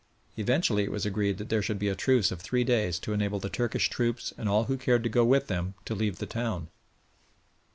Eventually it was agreed that there should be a truce of three days to enable the Turkish troops and all who cared to go with them to leave the town.